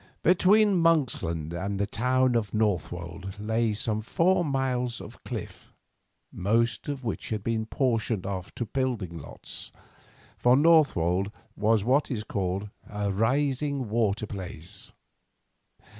Between Monksland and the town of Northwold lay some four miles of cliff, most of which had been portioned off in building lots, for Northwold was what is called a "rising watering place."